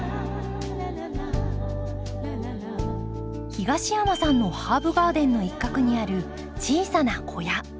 東山さんのハーブガーデンの一角にある小さな小屋。